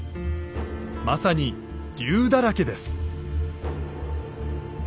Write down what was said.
まさに龍だらけです。